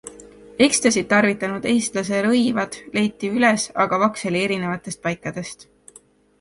Ecstasy't tarvitanud eestlase rõivad leiti üles aga vaksali erinevatest paikadest.